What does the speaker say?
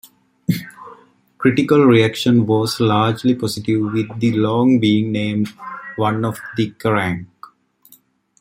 Critical reaction was largely positive with the song being named one of Kerrang!